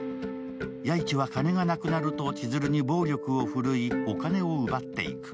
弥一は金がなくなると、千鶴に暴力を振るいお金を奪っていく。